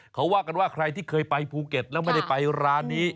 เขาว่ากันว่าใครที่เคยไปภูเก็ตแล้วไม่ได้ไปร้านนี้